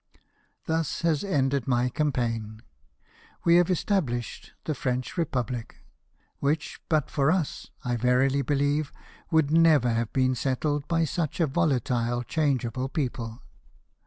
Thus has ended my campaign. We have established the French Bepublic ; which but for us, I verily believe, would never have been settled by such a volatile, changeable people.